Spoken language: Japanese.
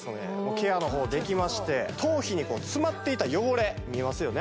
ケアの方できまして頭皮に詰まっていた汚れ見えますよね